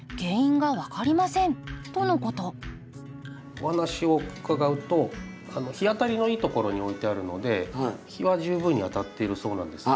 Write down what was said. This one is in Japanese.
お話を伺うと日当たりのいいところに置いてあるので日は十分に当たっているそうなんですが。